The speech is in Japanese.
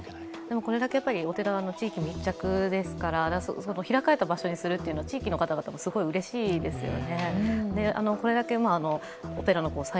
これだけやっぱりお寺、地域密着ですから、開かれた場所にするというのは地域の方々もすごいうれしいですよね。